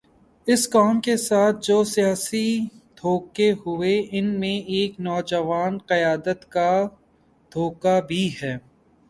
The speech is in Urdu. اس قوم کے ساتھ جو سیاسی دھوکے ہوئے، ان میں ایک نوجوان قیادت کا دھوکہ بھی ہے۔